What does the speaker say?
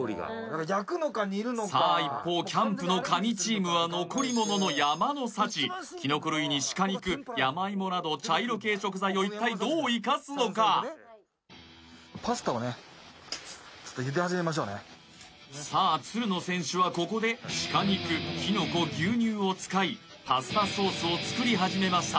焼くのか煮るのか料理がさあ一方キャンプの神チームは残りものの山の幸キノコ類に鹿肉山芋など茶色系食材を一体どう生かすのかさあつるの選手はここで鹿肉キノコ牛乳を使いパスタソースを作り始めました